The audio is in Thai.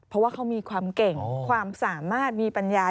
เพราะว่าเขามีความเก่งความสามารถมีปัญญา